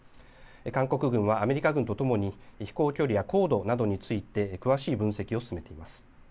韓国軍はアメリカ軍と共に飛行距離や高度などについて詳しい分析を進めています。